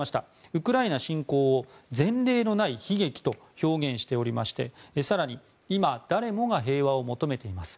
ウクライナ侵攻を前例のない悲劇と表現しておりまして更に今、誰もが平和を求めています